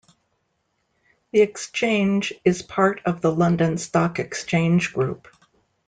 The Exchange is part of the London Stock Exchange Group.